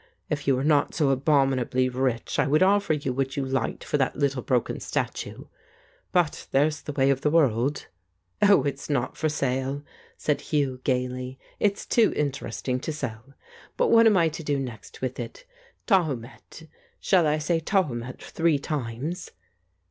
If you were not so abominably rich I would offer you what you liked for that little broken statue. But there's the way of the world !" "Oh, it's not for sale," said Hugh gaily. "It's too interesting to sell. But what am I to do next with it? Tahu met? Shall I say Tahu met three times?"